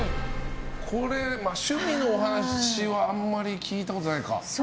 趣味のお話はあまり聞いたことないか。